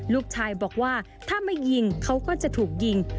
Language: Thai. ลูกชายบอกว่าถ้าไม่ยิงเขาก็จะถูกยิง